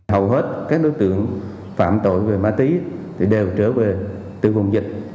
hầu hết các đối tượng phạm tội về ma túy đều trở về từ vùng dịch